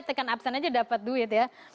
taken absen aja dapat duit ya